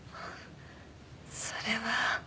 それは